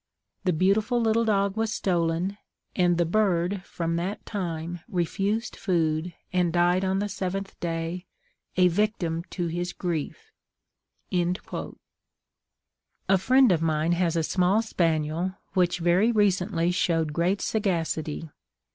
The beautiful little dog was stolen; and the bird from that time refused food, and died on the seventh day, a victim to his grief." A friend of mine has a small spaniel, which very recently showed great sagacity.